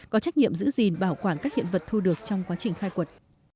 có trách nhiệm giữ gìn bảo quản các hiện vật thu được trong quá trình khai quật